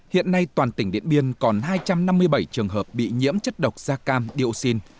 hiện nay toàn tỉnh điện biên còn hai trăm năm mươi bảy trường hợp bị nhiễm chất độc da cam điệu xin